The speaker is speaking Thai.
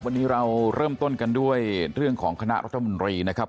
วันนี้เราเริ่มต้นกันด้วยเรื่องของคณะรัฐมนตรีนะครับ